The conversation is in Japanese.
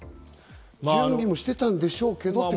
準備もしてたんでしょうけど。